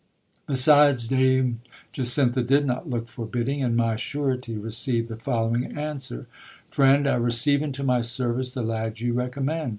Besides, Dame Jacintha did not look forbidding, and my surety received the following answer : Friend, I receive into my service the lad you recommend.